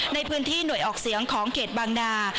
ในพื้นที่หน่วยออกเสียงของเขตบางนา